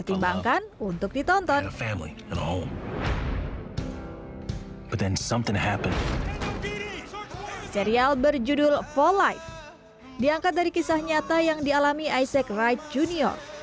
diangkat dari kisah nyata yang dialami isaac wright jr